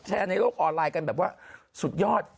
ในโลกออนไลน์กันแบบว่าสุดยอด